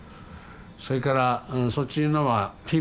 それからそっちのはティム。